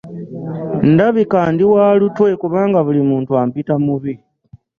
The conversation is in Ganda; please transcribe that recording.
Ndabika ndi wa lutwe kubanga buli muntu ampita mubi.